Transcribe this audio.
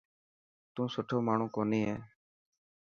تون سٺو ماڻهو ڪوني هي.